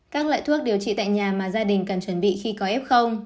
các loại thuốc điều trị tại nhà mà gia đình cần chuẩn bị khi có f